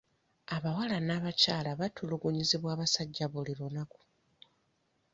Abawala n'abakyala batulugunyizibwa abasajja buli lunaku.